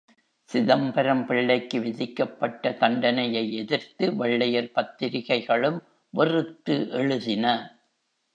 சிதம்பரம் பிள்ளைக்கு விதிக்கப்பட்ட தண்டனையை எதிர்த்து வெள்ளையர் பத்திரிகைகளும் வெறுத்து எழுதின.